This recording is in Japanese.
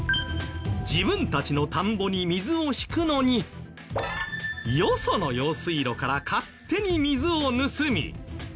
自分たちの田んぼに水を引くのによその用水路から勝手に水を盗み。